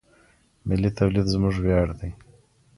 ملي توليد زموږ وياړ دی.